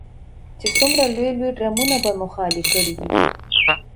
چې څومره لوی لوی ډرمونه به مو خالي کړي وي.